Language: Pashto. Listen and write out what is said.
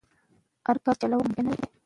ډېر فشار د پوستکي داغونه رامنځته کوي.